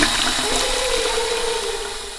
Maiz ikusi behar izan dut.